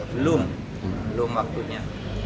belum belum waktunya